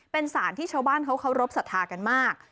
เป็นสารที่ชาวบ้านเขาเคารพสัทธากันมาก